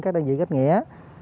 các đơn vị gách nghĩa